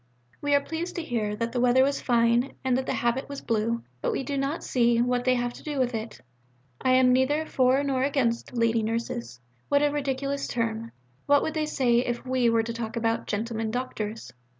We are pleased to hear that the weather was fine and that the habit was blue, but we do not see what they have to do with it. I am neither for nor against 'Lady Nurses' (what a ridiculous term! what would they say if we were to talk about 'Gentlemen Doctors'?).